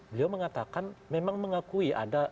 beliau mengatakan memang mengakui ada